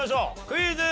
クイズ。